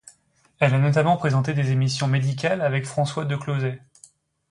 Elle a notamment présenté les émissions médicales avec François de Closets.